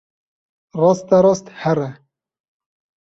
Rasterast here.